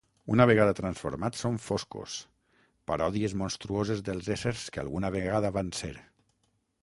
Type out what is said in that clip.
Una vegada transformats són foscos, paròdies monstruoses dels éssers que alguna vegada van ser.